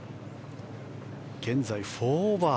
現在、４オーバー。